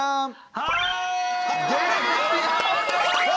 はい！